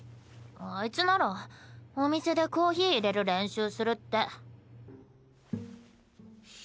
あいつならお店でコーヒーいれる練習するって。